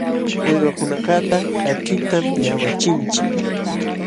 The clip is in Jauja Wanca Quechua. Uywakunakaqta kaćhitam llaqwachinchik.